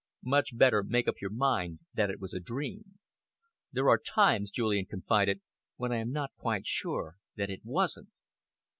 "Much better make up your mind that it was a dream." "There are times," Julian confided, "when I am not quite sure that it wasn't."